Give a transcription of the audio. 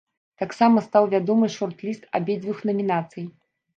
Таксама стаў вядомы шорт-ліст абедзвюх намінацый.